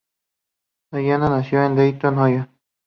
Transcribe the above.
Bellamy nació en Dayton, Ohio.